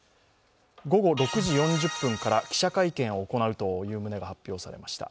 午後６時４０分から記者会見を行うという旨が発表されました。